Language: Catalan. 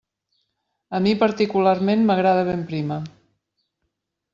A mi particularment m'agrada ben prima.